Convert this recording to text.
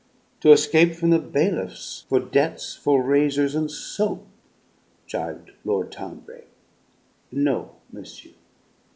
"To escape from the bailiffs for debts for razors and soap," gibed Lord Townbrake. "No, monsieur.